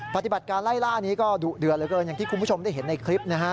ปฏิบัติการไล่ล่านี้ก็ดุเดือดเหลือเกินอย่างที่คุณผู้ชมได้เห็นในคลิปนะฮะ